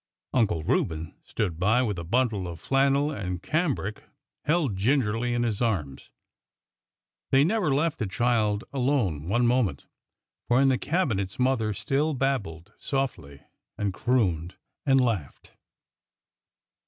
Uncle Reuben stood by with a bundle of flannel and cambric held gingerly in his arms. They never left the child alone one moment, for in the cabin .'ts mother still babbled softly and crooned and laughed.